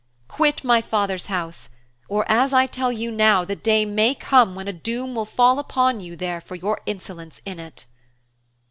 Quit my father's house, or, as I tell you now, the day may come when a doom will fall upon you there for your insolence in it.'